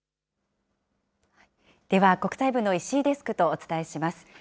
では国際部の石井デスクとお伝えします。